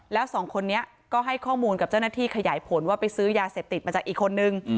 แล้วสองคนนี้ก็ให้ข้อมูลกับเจ้าหน้าที่ขยายผลว่าไปซื้อยาเสพติดมาจากอีกคนนึง